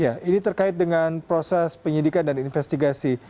ya ini terkait dengan proses penyidikan dan investigasi